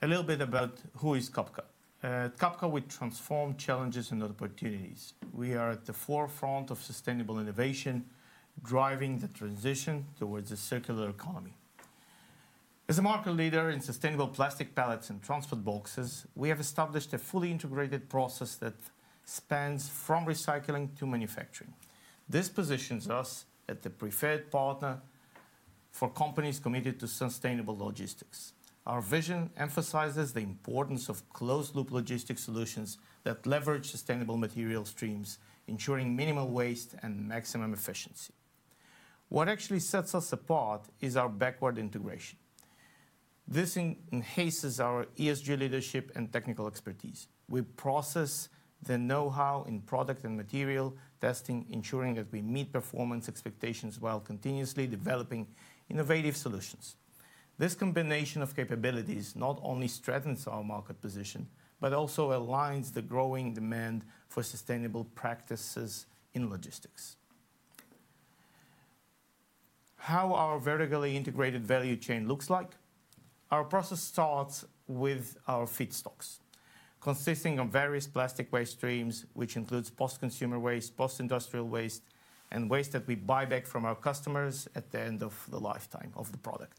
A little bit about who is Cabka? At Cabka, we transform challenges and opportunities. We are at the forefront of sustainable innovation, driving the transition towards a circular economy. As a market leader in sustainable plastic pallets and transport boxes, we have established a fully integrated process that spans from recycling to manufacturing. This positions us as the preferred partner for companies committed to sustainable logistics. Our vision emphasizes the importance of closed-loop logistics solutions that leverage sustainable material streams, ensuring minimal waste and maximum efficiency. What actually sets us apart is our backward integration. This enhances our ESG leadership and technical expertise. We process the know-how in product and material testing, ensuring that we meet performance expectations while continuously developing innovative solutions. This combination of capabilities not only strengthens our market position but also aligns the growing demand for sustainable practices in logistics. How our vertically integrated value chain looks like? Our process starts with our feedstocks, consisting of various plastic waste streams, which include post-consumer waste, post-industrial waste, and waste that we buy back from our customers at the end of the lifetime of the product.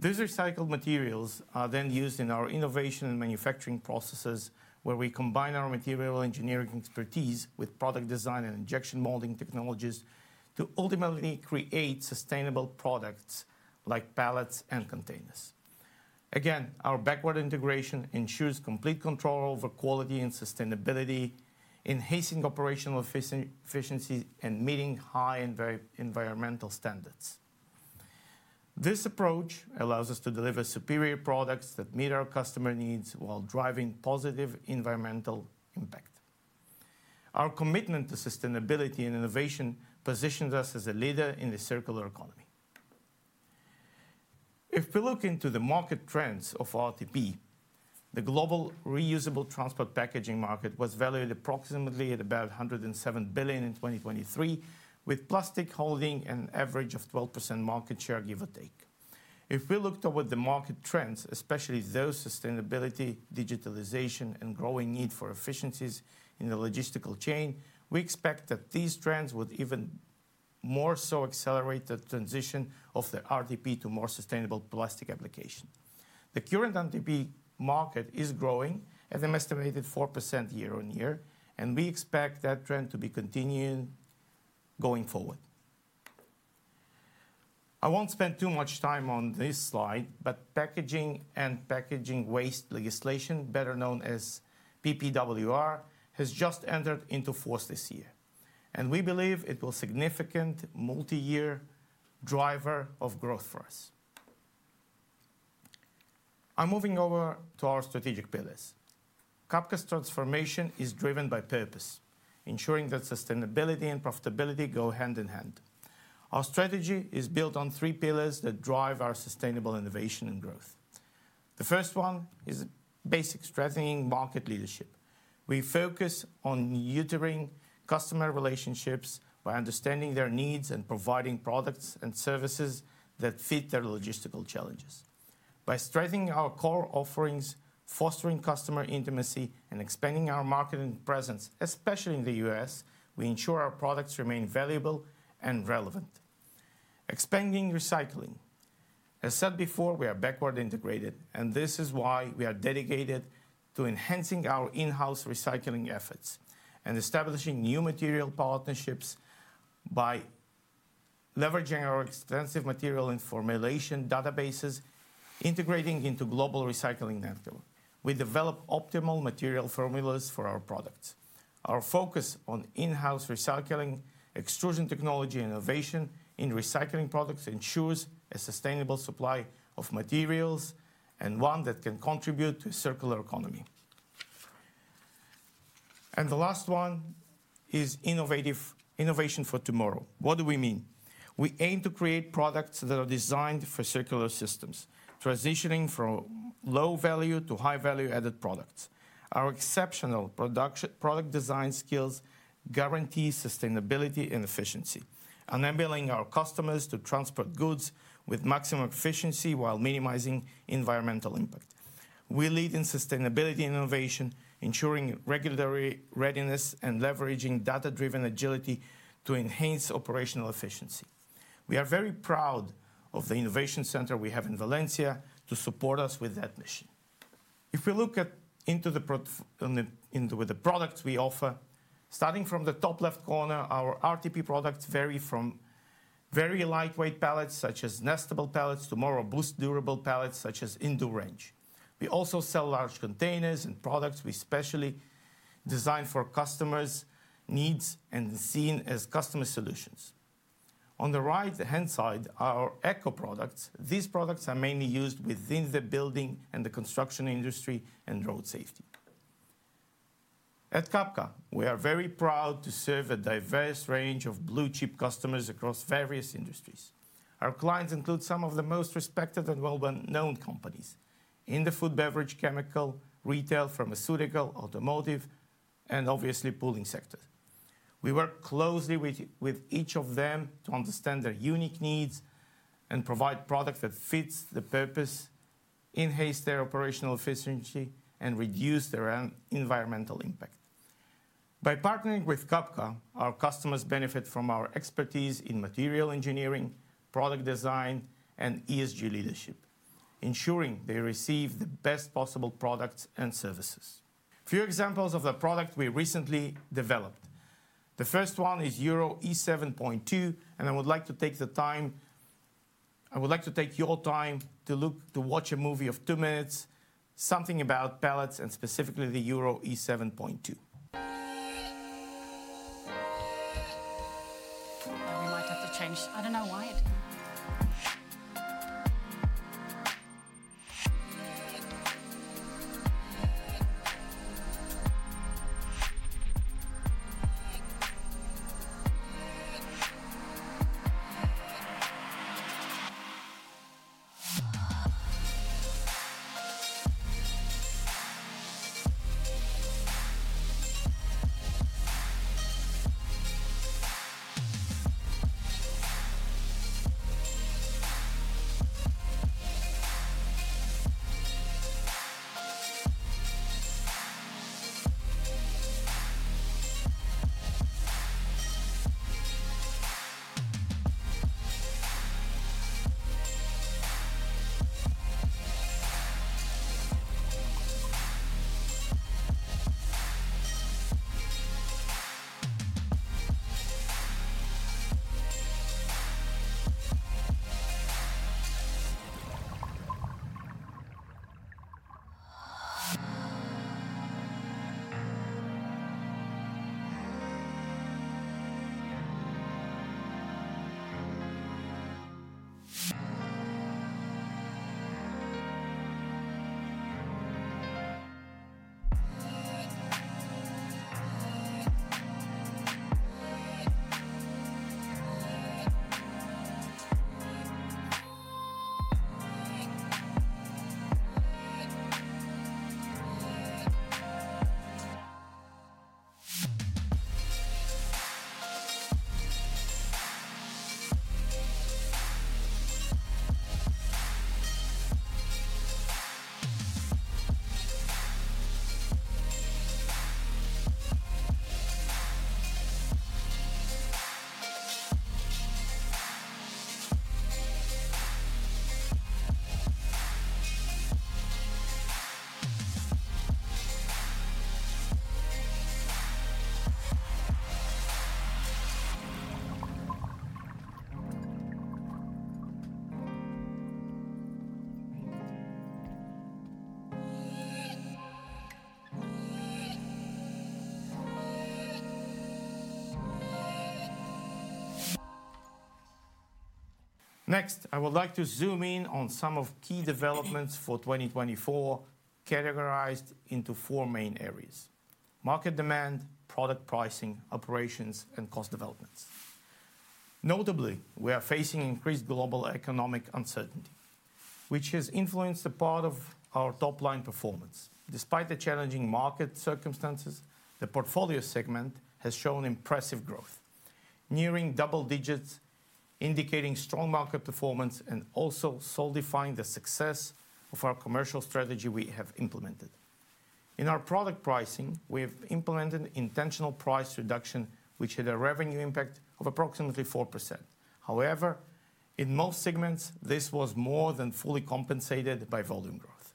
These recycled materials are then used in our innovation and manufacturing processes, where we combine our material engineering expertise with product design and injection molding technologies to ultimately create sustainable products like pallets and containers. Again, our backward integration ensures complete control over quality and sustainability, enhancing operational efficiency and meeting high environmental standards. This approach allows us to deliver superior products that meet our customer needs while driving positive environmental impact. Our commitment to sustainability and innovation positions us as a leader in the circular economy. If we look into the market trends of RTP, the global reusable transport packaging market was valued approximately at about $107 billion in 2023, with plastic holding an average of 12% market share, give or take. If we look toward the market trends, especially those of sustainability, digitalization, and growing need for efficiencies in the logistical chain, we expect that these trends would even more so accelerate the transition of the RTP to more sustainable plastic applications. The current RTP market is growing at an estimated 4% year-on-year, and we expect that trend to be continuing going forward. I won't spend too much time on this slide, but packaging and packaging waste legislation, better known as PPWR, has just entered into force this year, and we believe it will be a significant multi-year driver of growth for us. I'm moving over to our strategic pillars. Cabka's transformation is driven by purpose, ensuring that sustainability and profitability go hand in hand. Our strategy is built on three pillars that drive our sustainable innovation and growth. The first one is basic: strengthening market leadership. We focus on nurturing customer relationships by understanding their needs and providing products and services that fit their logistical challenges. By strengthening our core offerings, fostering customer intimacy, and expanding our marketing presence, especially in the U.S., we ensure our products remain valuable and relevant. Expanding recycling. As said before, we are backward integrated, and this is why we are dedicated to enhancing our in-house recycling efforts and establishing new material partnerships by leveraging our extensive material and formulation databases, integrating into global recycling networks. We develop optimal material formulas for our products. Our focus on in-house recycling, extrusion technology, and innovation in recycling products ensures a sustainable supply of materials and one that can contribute to a circular economy. The last one is innovation for tomorrow. What do we mean? We aim to create products that are designed for circular systems, transitioning from low-value to high-value-added products. Our exceptional product design skills guarantee sustainability and efficiency, enabling our customers to transport goods with maximum efficiency while minimizing environmental impact. We lead in sustainability innovation, ensuring regulatory readiness and leveraging data-driven agility to enhance operational efficiency. We are very proud of the innovation center we have in Valencia to support us with that mission. If we look into the products we offer, starting from the top left corner, our RTP products vary from very lightweight pallets such as nestable pallets to more robust, durable pallets such as Endur range. We also sell large containers and products we specially design for customers' needs and seen as customer solutions. On the right-hand side, our Eco products. These products are mainly used within the building and the construction industry and road safety. At Cabka, we are very proud to serve a diverse range of blue-chip customers across various industries. Our clients include some of the most respected and well-known companies in the food, beverage, chemical, retail, pharmaceutical, automotive, and obviously the pooling sector. We work closely with each of them to understand their unique needs and provide products that fit the purpose, enhance their operational efficiency, and reduce their environmental impact. By partnering with Cabka, our customers benefit from our expertise in material engineering, product design, and ESG leadership, ensuring they receive the best possible products and services. A few examples of the products we recently developed. The first one is Euro E7.2, and I would like to take your time to look to watch a movie of two minutes, something about pallets and specifically the Euro E7.2. We might have to change. I don't know why it. Next, I would like to zoom in on some of the key developments for 2024, categorized into four main areas: market demand, product pricing, operations, and cost developments. Notably, we are facing increased global economic uncertainty, which has influenced a part of our top-line performance. Despite the challenging market circumstances, the Portfolio segment has shown impressive growth, nearing double digits, indicating strong market performance and also solidifying the success of our commercial strategy we have implemented. In our product pricing, we have implemented intentional price reduction, which had a revenue impact of approximately 4%. However, in most segments, this was more than fully compensated by volume growth.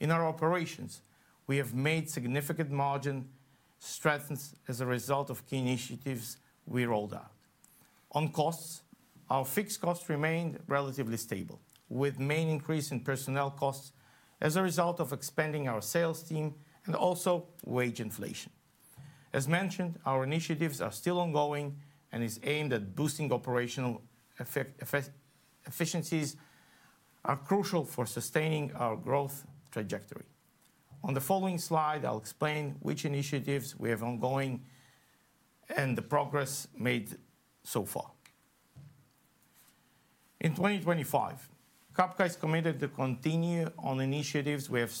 In our operations, we have made significant margin strengthens as a result of key initiatives we rolled out. On costs, our fixed costs remained relatively stable, with main increase in personnel costs as a result of expanding our sales team and also wage inflation. As mentioned, our initiatives are still ongoing and are aimed at boosting operational efficiencies, crucial for sustaining our growth trajectory. On the following slide, I'll explain which initiatives we have ongoing and the progress made so far. In 2025, Cabka is committed to continue on initiatives we have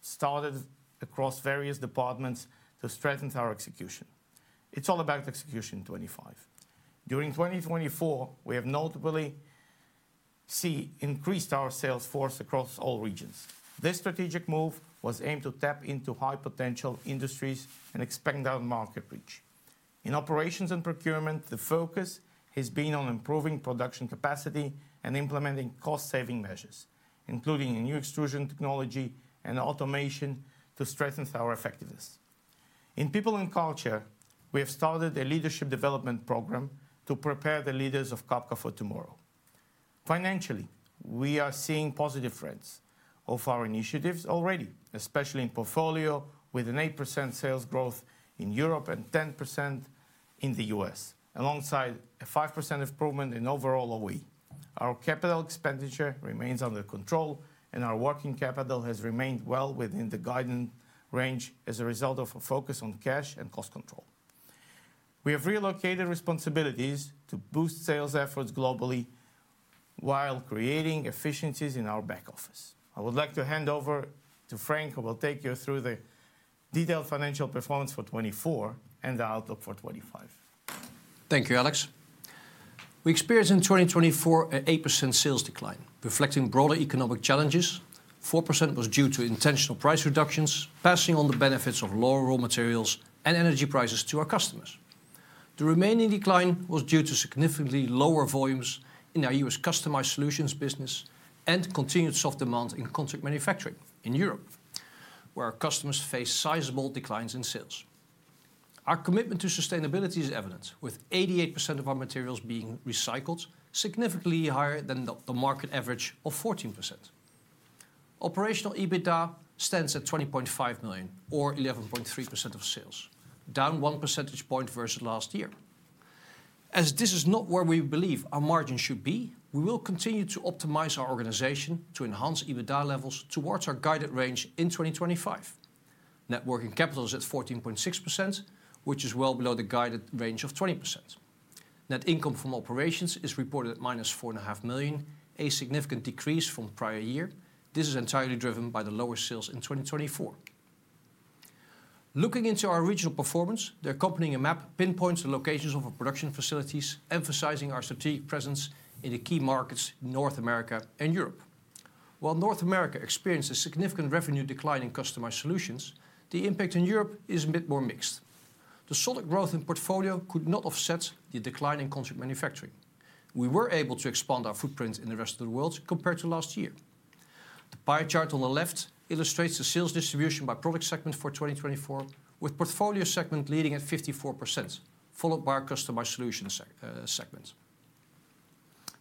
started across various departments to strengthen our execution. It's all about execution in 2025. During 2024, we have notably increased our sales force across all regions. This strategic move was aimed to tap into high-potential industries and expand our market reach. In operations and procurement, the focus has been on improving production capacity and implementing cost-saving measures, including new extrusion technology and automation to strengthen our effectiveness. In people and culture, we have started a leadership development program to prepare the leaders of Cabka for tomorrow. Financially, we are seeing positive trends of our initiatives already, especially in Portfolio, with an 8% sales growth in Europe and 10% in the U.S., alongside a 5% improvement in overall OEE. Our CapEx remains under control, and our net working capital has remained well within the guidance range as a result of a focus on cash and cost control. We have relocated responsibilities to boost sales efforts globally while creating efficiencies in our back office. I would like to hand over to Frank, who will take you through the detailed financial performance for 2024 and the outlook for 2025. Thank you, Alex. We experienced in 2024 an 8% sales decline, reflecting broader economic challenges. 4% was due to intentional price reductions, passing on the benefits of lower raw materials and energy prices to our customers. The remaining decline was due to significantly lower volumes in our U.S. Customized Solutions business and continued soft demand in contract manufacturing in Europe, where our customers face sizable declines in sales. Our commitment to sustainability is evident, with 88% of our materials being recycled, significantly higher than the market average of 14%. Operational EBITDA stands at 20.5 million, or 11.3% of sales, down one percentage point versus last year. As this is not where we believe our margin should be, we will continue to optimize our organization to enhance EBITDA levels towards our guided range in 2025. Net working capital is at 14.6%, which is well below the guided range of 20%. Net income from operations is reported at minus 4.5 million, a significant decrease from the prior year. This is entirely driven by the lower sales in 2024. Looking into our regional performance, the accompanying map pinpoints the locations of our production facilities, emphasizing our strategic presence in the key markets in North America and Europe. While North America experienced a significant revenue decline in Customized Solutions, the impact in Europe is a bit more mixed. The solid growth in Portfolio could not offset the decline in contract manufacturing. We were able to expand our footprint in the rest of the world compared to last year. The pie chart on the left illustrates the sales distribution by product segment for 2024, with the Portfolio segment leading at 54%, followed by our Customized Solutions segment.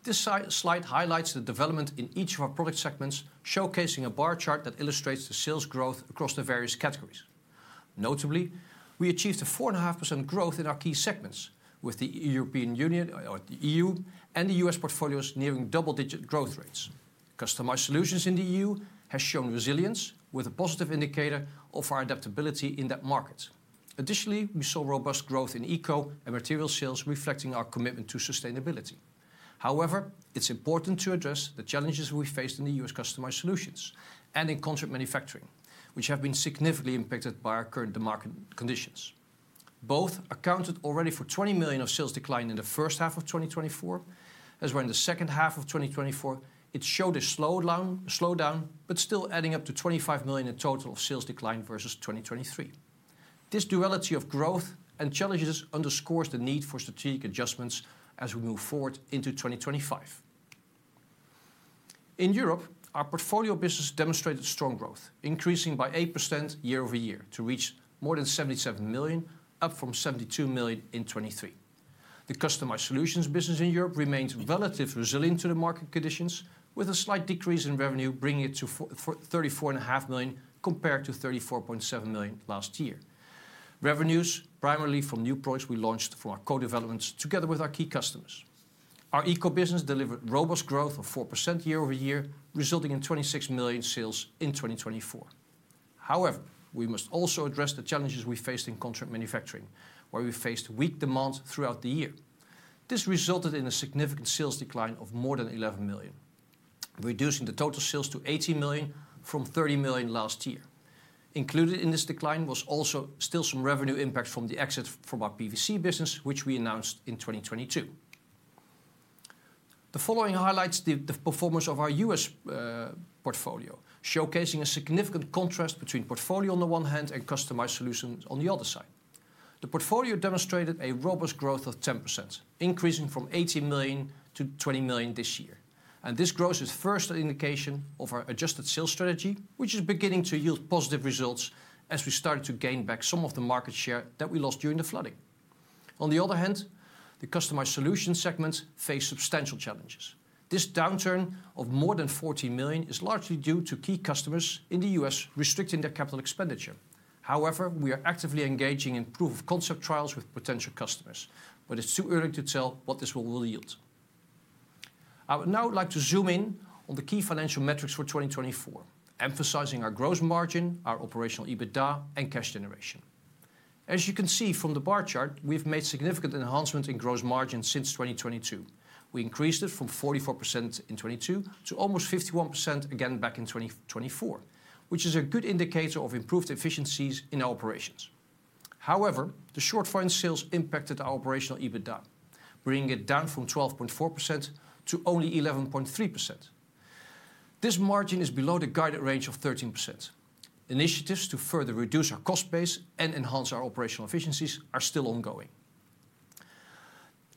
This slide highlights the development in each of our product segments, showcasing a bar chart that illustrates the sales growth across the various categories. Notably, we achieved a 4.5% growth in our key segments, with the European Union, the EU, and the U.S. Portfolios nearing double-digit growth rates. Customized Solutions in the EU have shown resilience, with a positive indicator of our adaptability in that market. Additionally, we saw robust growth in eco and material sales, reflecting our commitment to sustainability. However, it's important to address the challenges we faced in the U.S. Customized Solutions and in contract manufacturing, which have been significantly impacted by our current market conditions. Both accounted already for 20 million of sales decline in the first half of 2024, as well as in the second half of 2024. It showed a slowdown, but still adding up to 25 million in total of sales decline versus 2023. This duality of growth and challenges underscores the need for strategic adjustments as we move forward into 2025. In Europe, our Portfolio business demonstrated strong growth, increasing by 8% year-over-year to reach more than 77 million, up from 72 million in 2023. The Customized Solutions business in Europe remains relatively resilient to the market conditions, with a slight decrease in revenue bringing it to 34.5 million compared to 34.7 million last year. Revenues primarily from new products we launched from our co-developments together with our key customers. Our Eco business delivered robust growth of 4% year-over-year, resulting in 26 million sales in 2024. However, we must also address the challenges we faced in contract manufacturing, where we faced weak demand throughout the year. This resulted in a significant sales decline of more than 11 million, reducing the total sales to 18 million from 30 million last year. Included in this decline was also still some revenue impact from the exit from our PVC business, which we announced in 2022. The following highlights the performance of our U.S. Portfolio, showcasing a significant contrast between Portfolio on the one hand and Customized Solutions on the other side. The Portfolio demonstrated a robust growth of 10%, increasing from 18 million to 20 million this year. This growth is the first indication of our adjusted sales strategy, which is beginning to yield positive results as we started to gain back some of the market share that we lost during the flooding. On the other hand, the Customized Solutions segment faced substantial challenges. This downturn of more than 40 million is largely due to key customers in the U.S. restricting their capital expenditure. However, we are actively engaging in proof-of-concept trials with potential customers, but it's too early to tell what this will yield. I would now like to zoom in on the key financial metrics for 2024, emphasizing our gross margin, our operational EBITDA, and cash generation. As you can see from the bar chart, we have made significant enhancements in gross margin since 2022. We increased it from 44% in 2022 to almost 51% again back in 2024, which is a good indicator of improved efficiencies in our operations. However, the shortfall in sales impacted our operational EBITDA, bringing it down from 12.4% to only 11.3%. This margin is below the guided range of 13%. Initiatives to further reduce our cost base and enhance our operational efficiencies are still ongoing.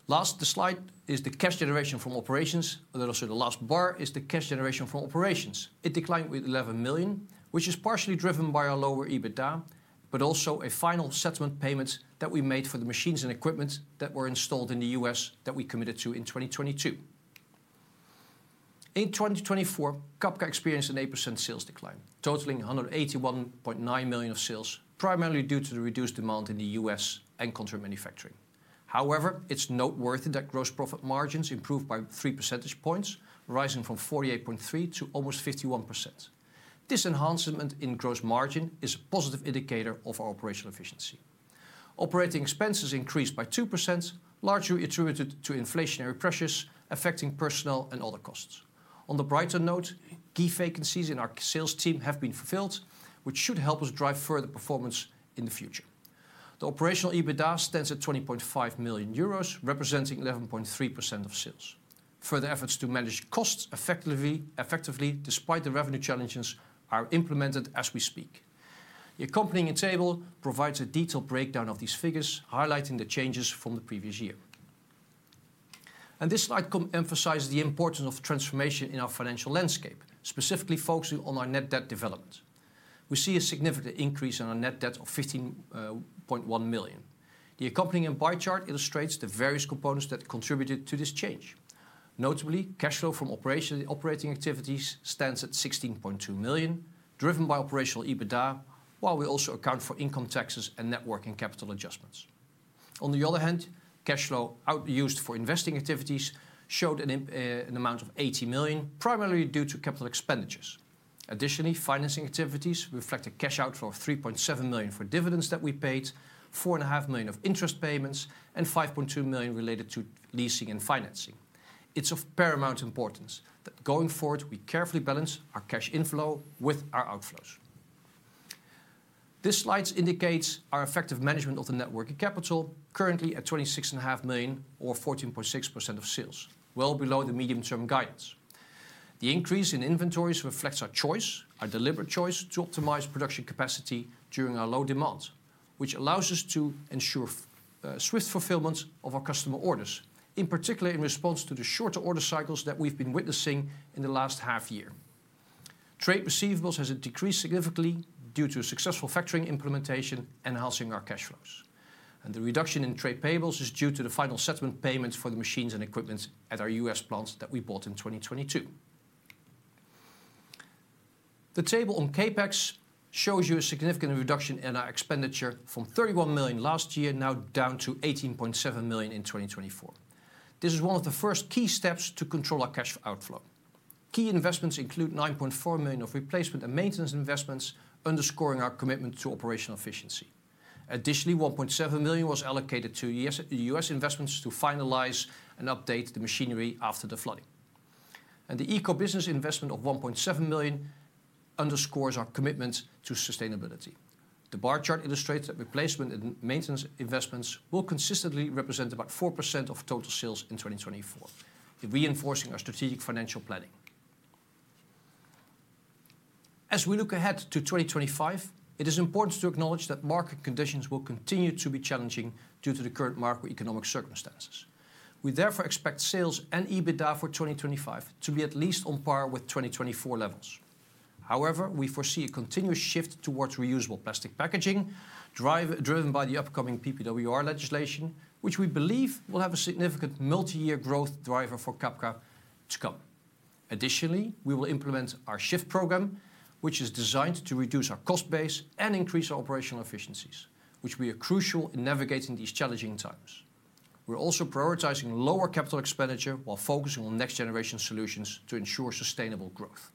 Last, the slide is the cash generation from operations. Also, the last bar is the cash generation from operations. It declined with 11 million, which is partially driven by our lower EBITDA, but also a final settlement payment that we made for the machines and equipment that were installed in the U.S. that we committed to in 2022. In 2024, Cabka experienced an 8% sales decline, totaling 181.9 million of sales, primarily due to the reduced demand in the U.S. and contract manufacturing. However, it's noteworthy that gross profit margins improved by three percentage points, rising from 48.3% to almost 51%. This enhancement in gross margin is a positive indicator of our operational efficiency. Operating expenses increased by 2%, largely attributed to inflationary pressures affecting personnel and other costs. On the brighter note, key vacancies in our sales team have been fulfilled, which should help us drive further performance in the future. The operational EBITDA stands at 20.5 million euros, representing 11.3% of sales. Further efforts to manage costs effectively, despite the revenue challenges, are implemented as we speak. The accompanying table provides a detailed breakdown of these figures, highlighting the changes from the previous year. This slide emphasizes the importance of transformation in our financial landscape, specifically focusing on our net debt development. We see a significant increase in our net debt of 15.1 million. The accompanying pie chart illustrates the various components that contributed to this change. Notably, cash flow from operating activities stands at 16.2 million, driven by operational EBITDA, while we also account for income taxes and net working capital adjustments. On the other hand, cash flow used for investing activities showed an amount of 80 million, primarily due to capital expenditures. Additionally, financing activities reflect a cash outflow of 3.7 million for dividends that we paid, 4.5 million of interest payments, and 5.2 million related to leasing and financing. It is of paramount importance that going forward, we carefully balance our cash inflow with our outflows. This slide indicates our effective management of the net working capital, currently at 26.5 million or 14.6% of sales, well below the medium-term guidance. The increase in inventories reflects our choice, our deliberate choice to optimize production capacity during our low demand, which allows us to ensure swift fulfillment of our customer orders, in particular in response to the shorter order cycles that we've been witnessing in the last half year. Trade receivables have decreased significantly due to successful factoring implementation and enhancing our cash flows. The reduction in trade payables is due to the final settlement payment for the machines and equipment at our U.S. plants that we bought in 2022. The table on CapEx shows you a significant reduction in our expenditure from 31 million last year, now down to 18.7 million in 2024. This is one of the first key steps to control our cash outflow. Key investments include 9.4 million of replacement and maintenance investments, underscoring our commitment to operational efficiency. Additionally, 1.7 million was allocated to U.S. investments to finalize and update the machinery after the flooding. The Eco business investment of 1.7 million underscores our commitment to sustainability. The bar chart illustrates that replacement and maintenance investments will consistently represent about 4% of total sales in 2024, reinforcing our strategic financial planning. As we look ahead to 2025, it is important to acknowledge that market conditions will continue to be challenging due to the current macroeconomic circumstances. We therefore expect sales and EBITDA for 2025 to be at least on par with 2024 levels. However, we foresee a continuous shift towards reusable plastic packaging, driven by the upcoming PPWR legislation, which we believe will have a significant multi-year growth driver for Cabka to come. Additionally, we will implement our Shift program, which is designed to reduce our cost base and increase our operational efficiencies, which will be crucial in navigating these challenging times. We're also prioritizing lower CapEx while focusing on next-generation solutions to ensure sustainable growth.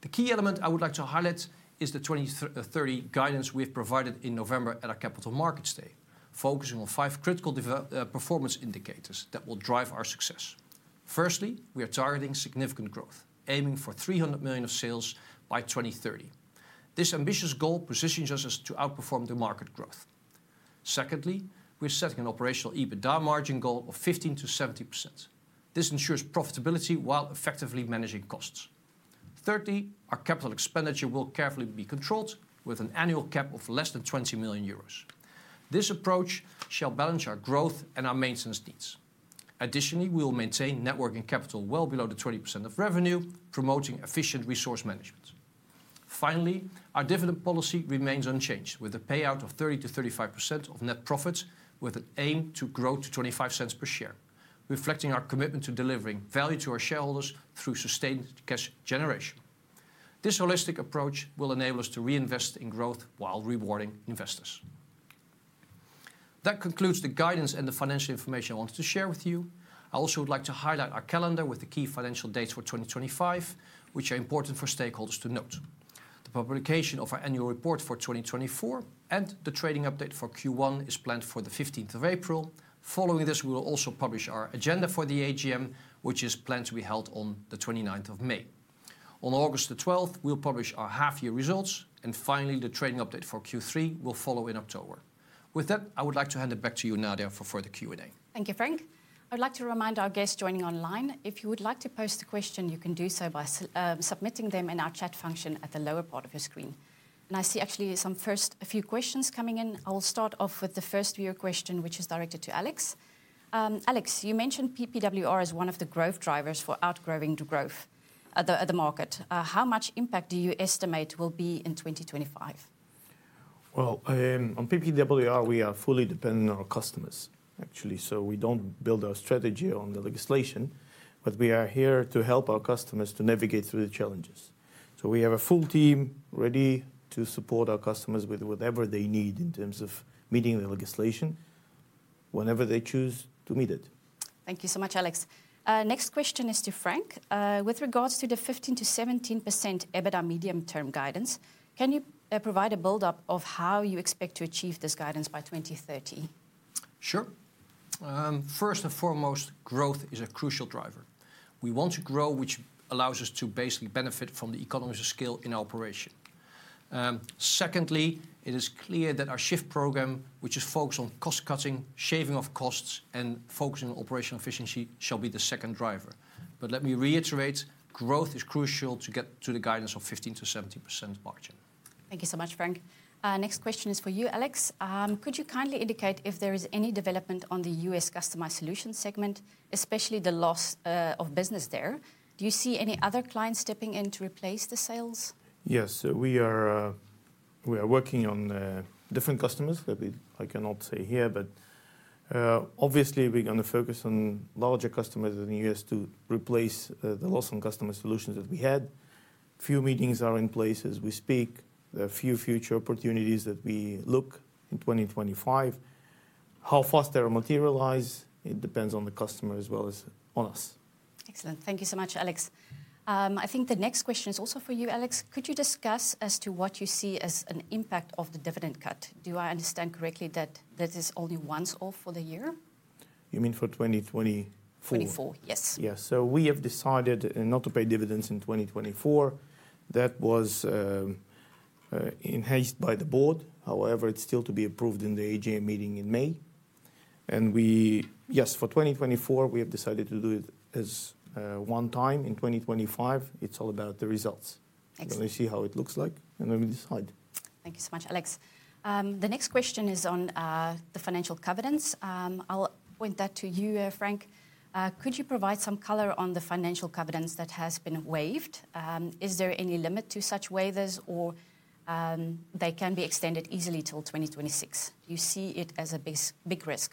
The key element I would like to highlight is the 2030 guidance we have provided in November at our Capital Markets Day, focusing on five critical performance indicators that will drive our success. Firstly, we are targeting significant growth, aiming for 300 million of sales by 2030. This ambitious goal positions us to outperform the market growth. Secondly, we are setting an operational EBITDA margin goal of 15%-17%. This ensures profitability while effectively managing costs. Thirdly, our capital expenditure will carefully be controlled with an annual cap of less than 20 million euros. This approach shall balance our growth and our maintenance needs. Additionally, we will maintain net working capital well below the 20% of revenue, promoting efficient resource management. Finally, our dividend policy remains unchanged, with a payout of 30%-35% of net profits, with an aim to grow to 0.25 per share, reflecting our commitment to delivering value to our shareholders through sustained cash generation. This holistic approach will enable us to reinvest in growth while rewarding investors. That concludes the guidance and the financial information I wanted to share with you. I also would like to highlight our calendar with the key financial dates for 2025, which are important for stakeholders to note. The publication of our annual report for 2024 and the trading update for Q1 is planned for the 15th of April. Following this, we will also publish our agenda for the AGM, which is planned to be held on the 29th of May. On August the 12th, we'll publish our half-year results. Finally, the trading update for Q3 will follow in October. With that, I would like to hand it back to you, Nadia, for further Q&A. Thank you, Frank. I'd like to remind our guests joining online, if you would like to post a question, you can do so by submitting them in our chat function at the lower part of your screen. I see actually some first few questions coming in. I will start off with the first viewer question, which is directed to Alex. Alex, you mentioned PPWR as one of the growth drivers for outgrowing the growth at the market. How much impact do you estimate will be in 2025? On PPWR, we are fully dependent on our customers, actually. We do not build our strategy on the legislation, but we are here to help our customers to navigate through the challenges. We have a full team ready to support our customers with whatever they need in terms of meeting the legislation whenever they choose to meet it. Thank you so much, Alex. Next question is to Frank. With regards to the 15%-17% EBITDA medium-term guidance, can you provide a build-up of how you expect to achieve this guidance by 2030? Sure. First and foremost, growth is a crucial driver. We want to grow, which allows us to basically benefit from the economies of scale in our operation. Secondly, it is clear that our Shift program, which is focused on cost-cutting, shaving off costs, and focusing on operational efficiency, shall be the second driver. Let me reiterate, growth is crucial to get to the guidance of 15%-17% margin. Thank you so much, Frank. Next question is for you, Alex. Could you kindly indicate if there is any development on the U.S. customer solution segment, especially the loss of business there? Do you see any other clients stepping in to replace the sales? Yes, we are working on different customers that I cannot say here, but obviously we're going to focus on larger customers in the U.S. to replace the loss on Customized Solutions that we had. Few meetings are in place as we speak. There are a few future opportunities that we look at in 2025. How fast they materialize, it depends on the customer as well as on us. Excellent. Thank you so much, Alex. I think the next question is also for you, Alex. Could you discuss as to what you see as an impact of the dividend cut? Do I understand correctly that this is only once or for the year? You mean for 2024? 2024, yes. Yes. We have decided not to pay dividends in 2024. That was enhanced by the board. However, it's still to be approved in the AGM meeting in May. Yes, for 2024, we have decided to do it as one time. In 2025, it's all about the results. We'll see how it looks like and then we decide. Thank you so much, Alex. The next question is on the financial covenants. I'll point that to you, Frank. Could you provide some color on the financial covenants that have been waived? Is there any limit to such waivers or they can be extended easily till 2026? Do you see it as a big risk?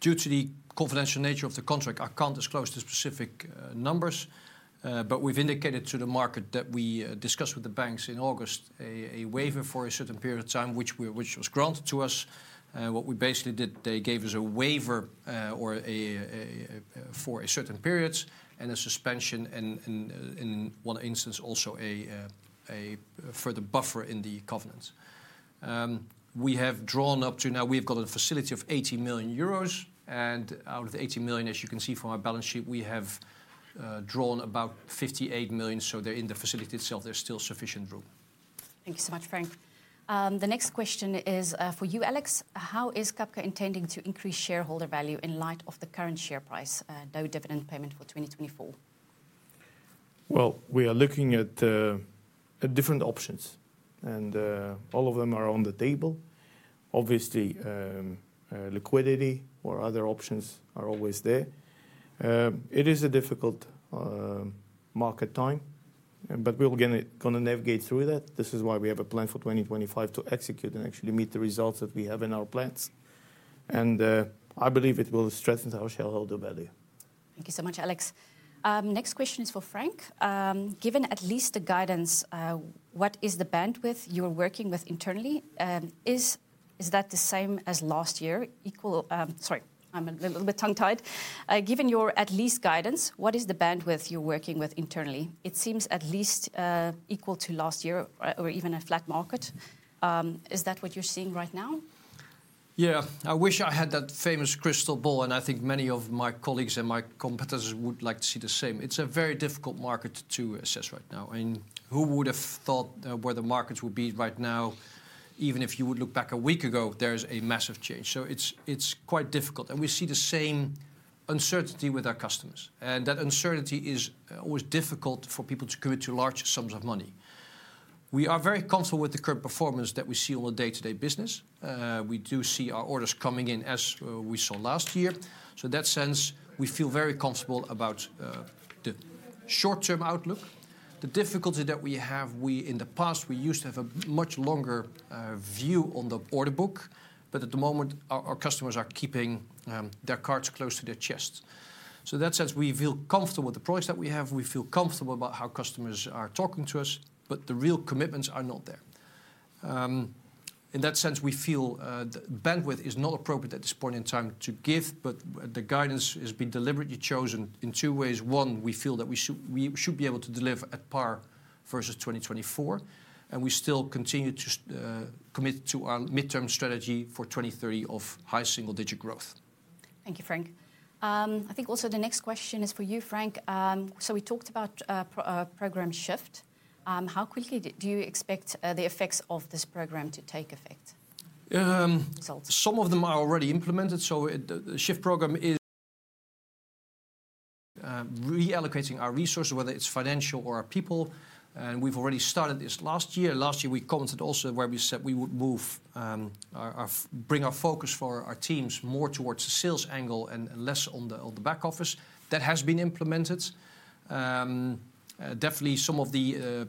Due to the confidential nature of the contract, I can't disclose the specific numbers, but we've indicated to the market that we discussed with the banks in August a waiver for a certain period of time, which was granted to us. What we basically did, they gave us a waiver for a certain period and a suspension, and in one instance, also a further buffer in the covenants. We have drawn up to now, we've got a facility of 80 million euros, and out of the 80 million, as you can see from our balance sheet, we have drawn about 58 million. There in the facility itself, there's still sufficient room. Thank you so much, Frank. The next question is for you, Alex. How is Cabka intending to increase shareholder value in light of the current share price, no dividend payment for 2024? We are looking at different options, and all of them are on the table. Obviously, liquidity or other options are always there. It is a difficult market time, but we're going to navigate through that. This is why we have a plan for 2025 to execute and actually meet the results that we have in our plans. I believe it will strengthen our shareholder value. Thank you so much, Alex. Next question is for Frank. Given at least the guidance, what is the bandwidth you're working with internally? Is that the same as last year? Sorry, I'm a little bit tongue-tied. Given your at least guidance, what is the bandwidth you're working with internally? It seems at least equal to last year or even a flat market. Is that what you're seeing right now? Yeah, I wish I had that famous crystal ball, and I think many of my colleagues and my competitors would like to see the same. It's a very difficult market to assess right now. Who would have thought where the markets would be right now? Even if you would look back a week ago, there's a massive change. It is quite difficult. We see the same uncertainty with our customers. That uncertainty is always difficult for people to commit to large sums of money. We are very comfortable with the current performance that we see on a day-to-day business. We do see our orders coming in, as we saw last year. In that sense, we feel very comfortable about the short-term outlook. The difficulty that we have, in the past, we used to have a much longer view on the order book, but at the moment, our customers are keeping their cards close to their chest. In that sense, we feel comfortable with the products that we have. We feel comfortable about how customers are talking to us, but the real commitments are not there. In that sense, we feel the bandwidth is not appropriate at this point in time to give, but the guidance has been deliberately chosen in two ways. One, we feel that we should be able to deliver at par versus 2024, and we still continue to commit to our midterm strategy for 2030 of high single-digit growth. Thank you, Frank. I think also the next question is for you, Frank. We talked about a program shift. How quickly do you expect the effects of this program to take effect? Some of them are already implemented. The Shift program is reallocating our resources, whether it's financial or our people. We've already started this last year. Last year, we commented also where we said we would bring our focus for our teams more towards the sales angle and less on the back office. That has been implemented. Definitely, some of the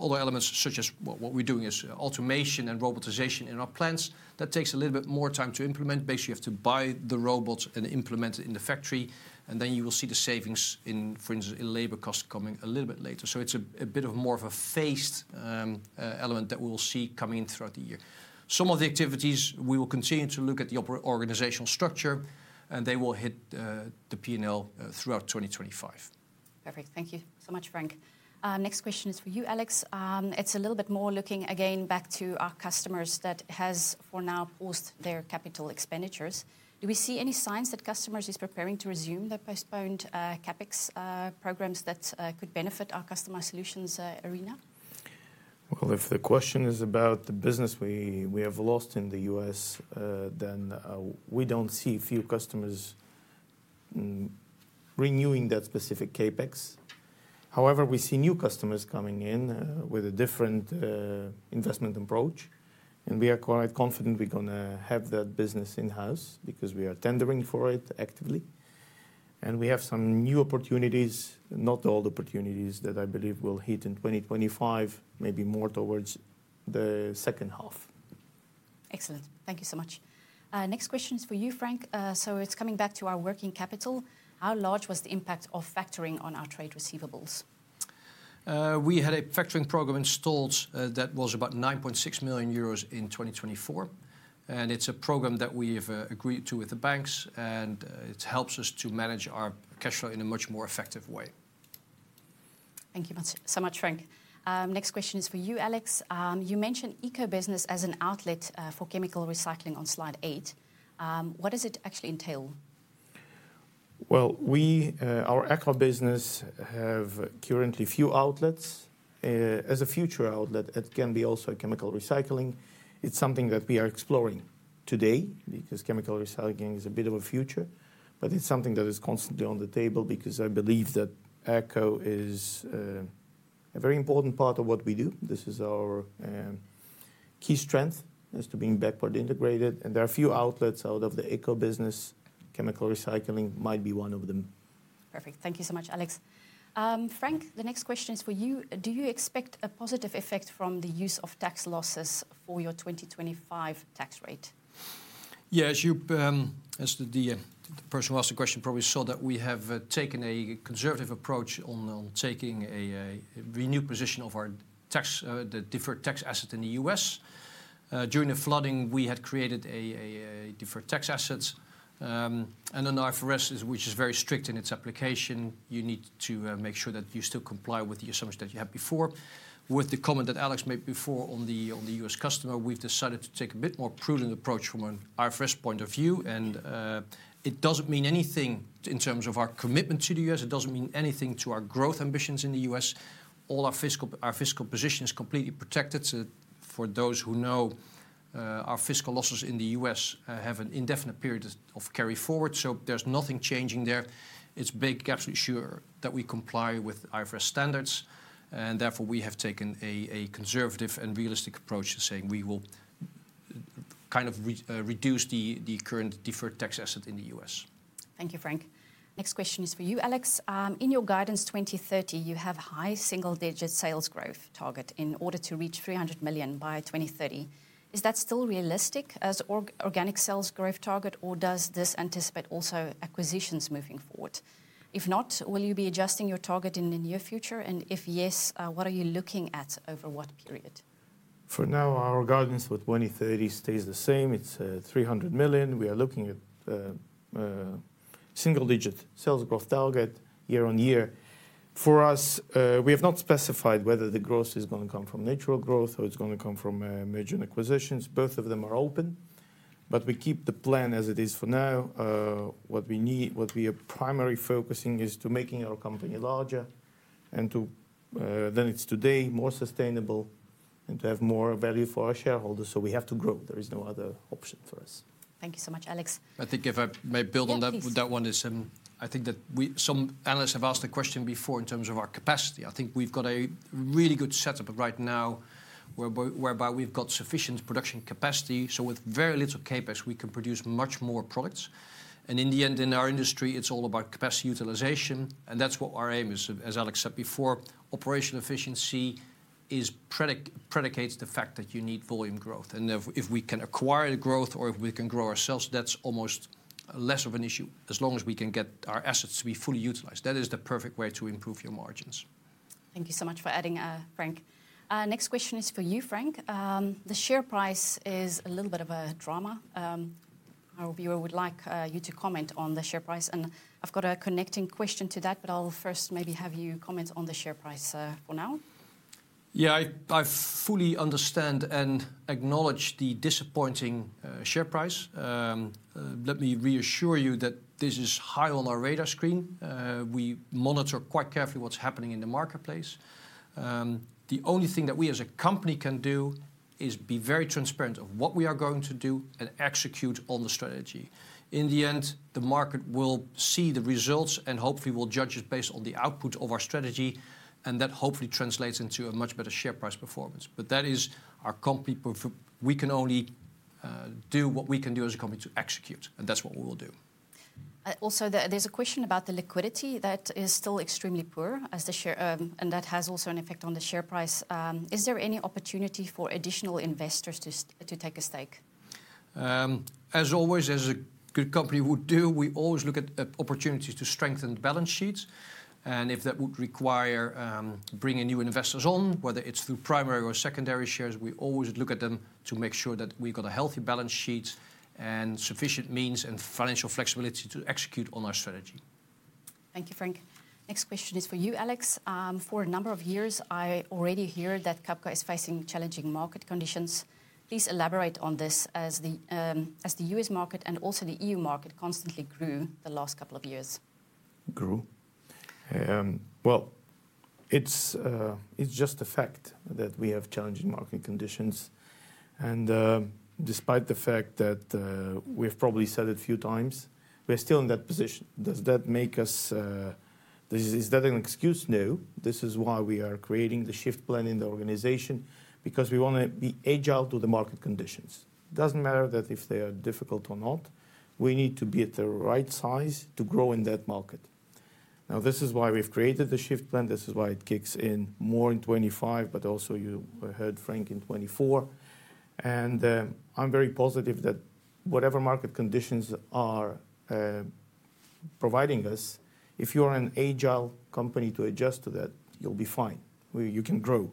other elements, such as what we're doing is automation and robotisation in our plants. That takes a little bit more time to implement. Basically, you have to buy the robots and implement it in the factory, and then you will see the savings in, for instance, in labor costs coming a little bit later. It is a bit more of a phased element that we will see coming in throughout the year. Some of the activities, we will continue to look at the organizational structure, and they will hit the P&L throughout 2025. Perfect. Thank you so much, Frank. Next question is for you, Alex. It is a little bit more looking again back to our customers that have for now paused their capital expenditures. Do we see any signs that customers are preparing to resume their postponed CapEx programs that could benefit our customer solutions arena? If the question is about the business we have lost in the U.S., then we do not see few customers renewing that specific CapEx. However, we see new customers coming in with a different investment approach, and we are quite confident we are going to have that business in-house because we are tendering for it actively. We have some new opportunities, not all the opportunities that I believe will hit in 2025, maybe more towards the second half. Excellent. Thank you so much. Next question is for you, Frank. It is coming back to our working capital. How large was the impact of factoring on our trade receivables? We had a factoring program installed that was about 9.6 million euros in 2024. It is a program that we have agreed to with the banks, and it helps us to manage our cash flow in a much more effective way. Thank you so much, Frank. Next question is for you, Alex. You mentioned eco-business as an outlet for chemical recycling on slide eight. What does it actually entail? Our eco-business has currently few outlets. As a future outlet, it can be also chemical recycling. It is something that we are exploring today because chemical recycling is a bit of a future, but it is something that is constantly on the table because I believe that eco is a very important part of what we do. This is our key strength as to being backward integrated. There are a few outlets out of the eco-business. Chemical recycling might be one of them. Perfect. Thank you so much, Alex. Frank, the next question is for you. Do you expect a positive effect from the use of tax losses for your 2025 tax rate? Yeah, as the person who asked the question probably saw, we have taken a conservative approach on taking a renewed position of our deferred tax asset in the U.S. During the flooding, we had created a deferred tax asset. Under IFRS, which is very strict in its application, you need to make sure that you still comply with the assumption that you had before. With the comment that Alex made before on the U.S. customer, we have decided to take a bit more prudent approach from an IFRS point of view. It does not mean anything in terms of our commitment to the U.S. It does not mean anything to our growth ambitions in the U.S. All our fiscal position is completely protected. For those who know, our fiscal losses in the U.S. have an indefinite period of carry forward. There is nothing changing there. It's big absolutely sure that we comply with IFRS standards. Therefore, we have taken a conservative and realistic approach to saying we will kind of reduce the current deferred tax asset in the U.S. Thank you, Frank. Next question is for you, Alex. In your guidance 2030, you have a high single-digit sales growth target in order to reach 300 million by 2030. Is that still realistic as an organic sales growth target, or does this anticipate also acquisitions moving forward? If not, will you be adjusting your target in the near future? If yes, what are you looking at over what period? For now, our guidance for 2030 stays the same. It's 300 million. We are looking at a single-digit sales growth target year-on-year. For us, we have not specified whether the growth is going to come from natural growth or it's going to come from merging acquisitions. Both of them are open, but we keep the plan as it is for now. What we are primarily focusing on is making our company larger and to make it today more sustainable and to have more value for our shareholders. We have to grow. There is no other option for us. Thank you so much, Alex. I think if I may build on that one, I think that some analysts have asked the question before in terms of our capacity. I think we've got a really good setup right now whereby we've got sufficient production capacity. With very little CapEx, we can produce much more products. In the end, in our industry, it's all about capacity utilization. That is what our aim is, as Alex said before. Operational efficiency predicates the fact that you need volume growth. If we can acquire the growth or if we can grow ourselves, that is almost less of an issue as long as we can get our assets to be fully utilized. That is the perfect way to improve your margins. Thank you so much for adding, Frank. Next question is for you, Frank. The share price is a little bit of a drama. Our viewer would like you to comment on the share price. I have got a connecting question to that, but I will first maybe have you comment on the share price for now. Yeah, I fully understand and acknowledge the disappointing share price. Let me reassure you that this is high on our radar screen. We monitor quite carefully what is happening in the marketplace. The only thing that we as a company can do is be very transparent of what we are going to do and execute on the strategy. In the end, the market will see the results and hopefully will judge it based on the output of our strategy. That hopefully translates into a much better share price performance. That is our company. We can only do what we can do as a company to execute. That is what we will do. Also, there is a question about the liquidity that is still extremely poor as the share, and that has also an effect on the share price. Is there any opportunity for additional investors to take a stake? As always, as a good company would do, we always look at opportunities to strengthen the balance sheets. If that would require bringing new investors on, whether it's through primary or secondary shares, we always look at them to make sure that we've got a healthy balance sheet and sufficient means and financial flexibility to execute on our strategy. Thank you, Frank. Next question is for you, Alex. For a number of years, I already hear that Cabka is facing challenging market conditions. Please elaborate on this as the U.S. market and also the EU market constantly grew the last couple of years. Grew. It is just a fact that we have challenging market conditions. And despite the fact that we've probably said it a few times, we're still in that position. Does that make us, is that an excuse? No. This is why we are creating the shift plan in the organization, because we want to be agile to the market conditions. It doesn't matter that if they are difficult or not. We need to be at the right size to grow in that market. Now, this is why we've created the shift plan. This is why it kicks in more in 2025, but also you heard Frank in 2024. I'm very positive that whatever market conditions are providing us, if you're an agile company to adjust to that, you'll be fine. You can grow.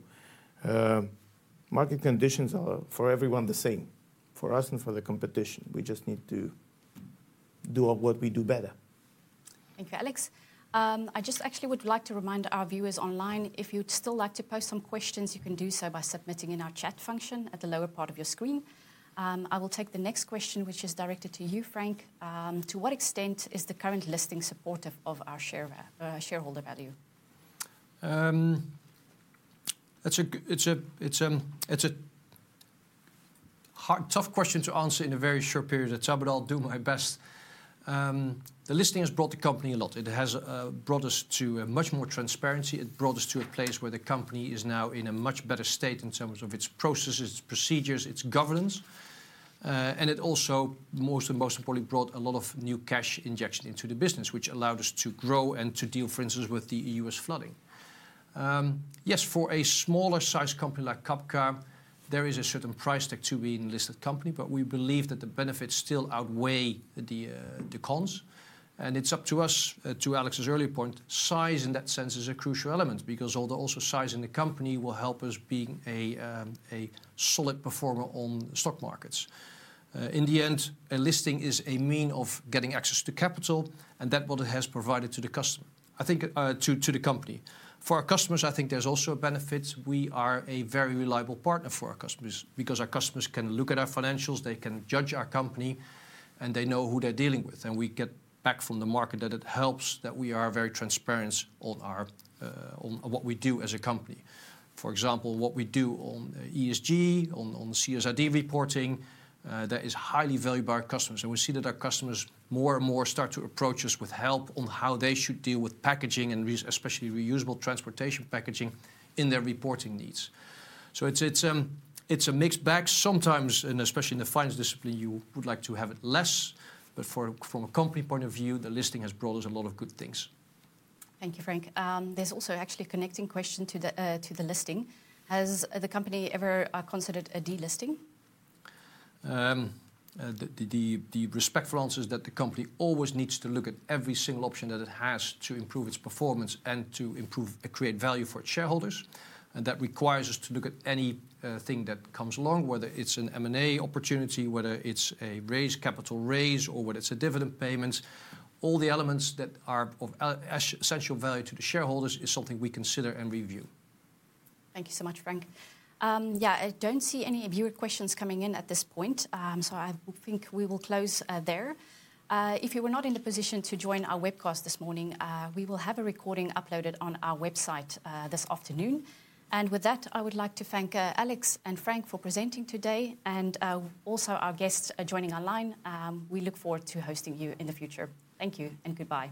Market conditions are for everyone the same, for us and for the competition. We just need to do what we do better. Thank you, Alex. I just actually would like to remind our viewers online, if you'd still like to post some questions, you can do so by submitting in our chat function at the lower part of your screen. I will take the next question, which is directed to you, Frank. To what extent is the current listing supportive of our shareholder value? It's a tough question to answer in a very short period of time, but I'll do my best. The listing has brought the company a lot. It has brought us to much more transparency. It brought us to a place where the company is now in a much better state in terms of its processes, its procedures, its governance. It also, most importantly, brought a lot of new cash injection into the business, which allowed us to grow and to deal, for instance, with the U.S. flooding. Yes, for a smaller-sized company like Cabka, there is a certain price tag to be in a listed company, but we believe that the benefits still outweigh the cons. It is up to us, to Alex's earlier point, size in that sense is a crucial element, because also size in the company will help us be a solid performer on stock markets. In the end, a listing is a means of getting access to capital, and that is what it has provided to the company. For our customers, I think there is also a benefit. We are a very reliable partner for our customers because our customers can look at our financials, they can judge our company, and they know who they are dealing with. We get back from the market that it helps that we are very transparent on what we do as a company. For example, what we do on ESG, on CSRD reporting, that is highly valuable to our customers. We see that our customers more and more start to approach us with help on how they should deal with packaging and especially reusable transportation packaging in their reporting needs. It is a mixed bag. Sometimes, and especially in the finance discipline, you would like to have it less. From a company point of view, the listing has brought us a lot of good things. Thank you, Frank. There is also actually a connecting question to the listing. Has the company ever considered a delisting? The respectful answer is that the company always needs to look at every single option that it has to improve its performance and to create value for its shareholders. That requires us to look at anything that comes along, whether it is an M&A opportunity, whether it is a capital raise, or whether it is a dividend payment. All the elements that are of essential value to the shareholders is something we consider and review. Thank you so much, Frank. Yeah, I do not see any viewer questions coming in at this point. I think we will close there. If you were not in the position to join our webcast this morning, we will have a recording uploaded on our website this afternoon. With that, I would like to thank Alex and Frank for presenting today and also our guests joining online. We look forward to hosting you in the future. Thank you and goodbye.